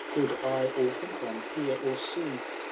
Could I or think on, hear, or see.